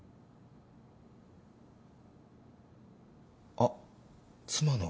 あっ妻の。